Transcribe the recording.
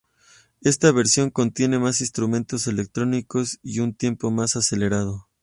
Ésta versión contiene más instrumentos electrónicos y un tempo más acelerado.